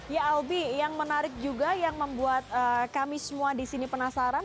ya albi yang menarik juga yang membuat kami semua di sini penasaran